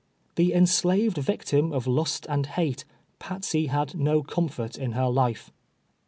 The enslaved vic tim of lust and hate, Patsey had no comfort of her life.